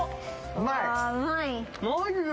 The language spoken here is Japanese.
うまい。